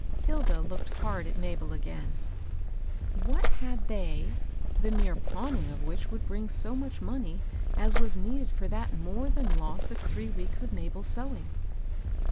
Hilda looked hard at Mabel again. What had they, the mere pawning of which would bring so much money as was needed for that m(»:e than loss of three weeks of Mabel's sewing?